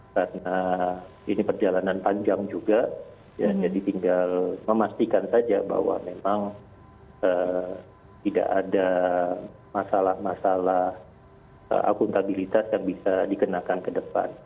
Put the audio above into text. karena ini perjalanan panjang juga jadi tinggal memastikan saja bahwa memang tidak ada masalah masalah akuntabilitas yang bisa dikenakan ke depan